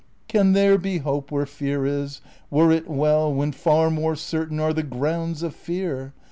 Can there be hope where fear is ? Were it well, When far more certain are the grounds of fear